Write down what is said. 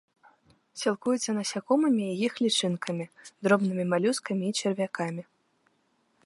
Сілкуецца насякомымі і іх лічынкамі, дробнымі малюскамі і чарвякамі.